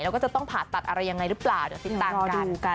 แล้วก็จะต้องผ่าตัดอะไรยังไงหรือเปล่าเดี๋ยวติดตามกัน